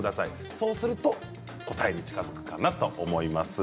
そうすると答えに近づくかなと思います。